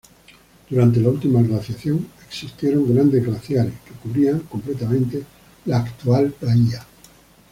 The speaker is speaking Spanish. Durante la última glaciación, existieron grandes glaciares que cubrían completamente la actual bahía.